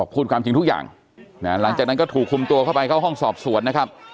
พูดความจริงทุกอย่างหลังจากนั้นก็ถูกคุมตัวเข้าไปเข้าห้องสอบสวนนะครับ